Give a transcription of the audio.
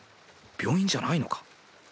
病院じゃないのか？